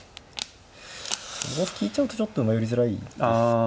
５五歩利いちゃうとちょっと寄りづらいですか。